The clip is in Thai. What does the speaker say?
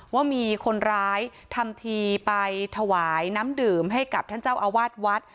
ว่ามีคนร้ายทำทีไปถวายน้ำดื่มให้กับท่านเจ้าอาวาสวัด